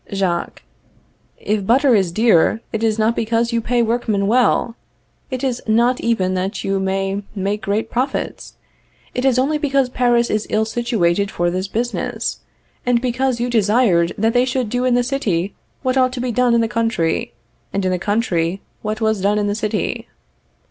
Jacques. If butter is dear, it is not because you pay workmen well; it is not even that you may make great profits; it is only because Paris is ill situated for this business, and because you desired that they should do in the city what ought to be done in the country, and in the country what was done in the city.